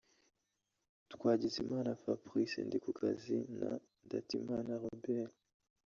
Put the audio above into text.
Twagizimana Fabrice Ndikukazi na Ndatimana Robert